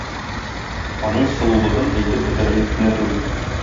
Аның сылулыгын әйтеп бетерерлек кенә түгел.